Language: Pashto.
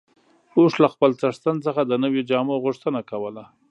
اوښ له خپل څښتن څخه د نويو جامو غوښتنه کوله.